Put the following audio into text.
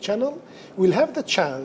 akan mendapatkan kesempatan